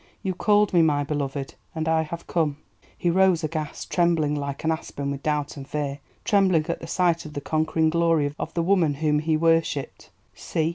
"You called me, my beloved, and I—have—come." He rose aghast, trembling like an aspen with doubt and fear, trembling at the sight of the conquering glory of the woman whom he worshipped. See!